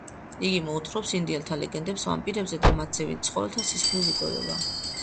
იგი მოუთხრობს ინდიელთა ლეგენდებს ვამპირებზე და მათზე, ვინც ცხოველთა სისხლით იკვებება.